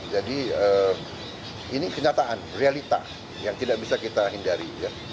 jadi ini kenyataan realita yang tidak bisa kita hindari